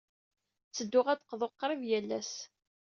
Ttedduɣ ad d-qḍuɣ qrib yal ass.